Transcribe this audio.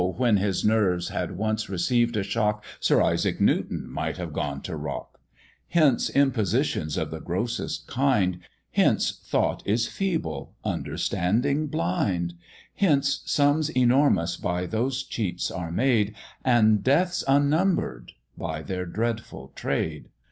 when his nerves had once received a shock, Sir Isaac Newton might have gone to Rock: Hence impositions of the grossest kind, Hence thought is feeble, understanding blind; Hence sums enormous by those cheats are made, And deaths unnumber'd by their dreadful trade.